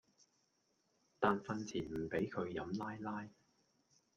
但訓前唔俾佢飲奶奶